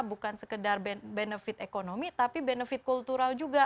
bukan sekedar benefit ekonomi tapi benefit kultural juga